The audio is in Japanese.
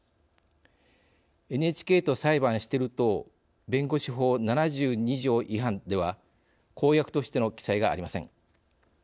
ＮＨＫと裁判してる党弁護士法７２条違反で、は公約としての記載がありません。